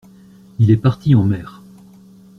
Il est parti en mer.